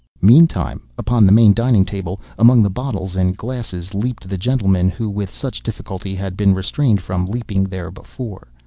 Meantime, upon the main dining table, among the bottles and glasses, leaped the gentleman who, with such difficulty, had been restrained from leaping there before.